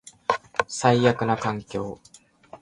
最悪な環境